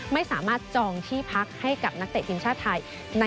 ไม่สามารถจองที่พักให้กับนักเตะทีมชาติไทย